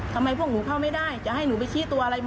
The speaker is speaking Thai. ทำไมพวกหนูเข้าไม่ได้จะให้หนูไปชี้ตัวอะไร